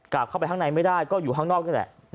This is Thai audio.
กลับเข้าไปข้างในไม่ได้ก็อยู่ข้างนอกนี่แหละ